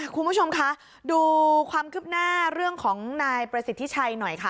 คุณผู้ชมคะดูความคืบหน้าเรื่องของนายประสิทธิชัยหน่อยค่ะ